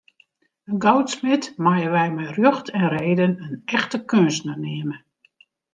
In goudsmid meie wy mei rjocht en reden in echte keunstner neame.